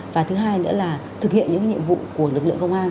và thứ hai nữa là thực hiện những nhiệm vụ của lực lượng công an